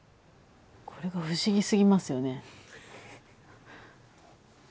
これが不思議すぎますよね。